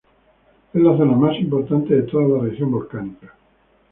Es la zona más importante de toda la región volcánica.